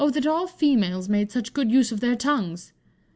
that all females made such good use of their tongues!